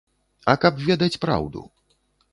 А каб ведаць праўду.